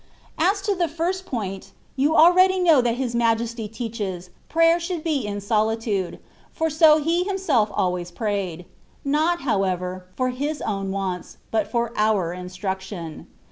THE WAY OF PERFECTION. 119 ■ As to the first point, you already know that His Majesty teaches, prayer should be made in solitude, for so He Himself always prayed ; not, however, for His own wants, but for our instruc tion.